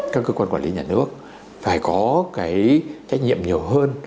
các cơ quan quản lý nhà nước phải có cái trách nhiệm nhiều hơn